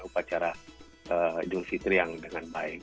upacara idul fitri yang dengan baik